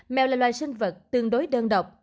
mèo là loài sinh vật tương đối đơn độc